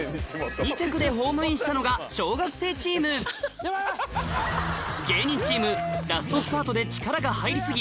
２着でホームインしたのが小学生チーム芸人チームラストスパートで力が入り過ぎ